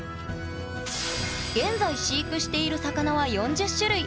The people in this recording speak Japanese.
現在飼育している魚は４０種類。